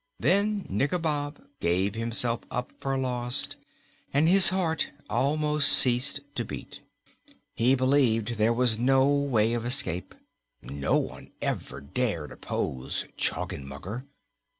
Then Nikobob gave himself up for lost and his heart almost ceased to beat. He believed there was no way of escape. No one ever dared oppose Choggenmugger.